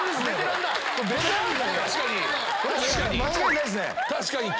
間違いないですね。